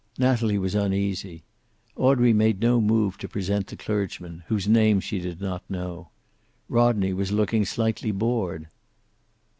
Natalie was uneasy. Audrey made no move to present the clergyman, whose name she did not know. Rodney was looking slightly bored.